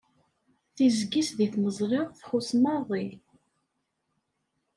Tigzi-s deg tmeẓla txuṣṣ maḍi..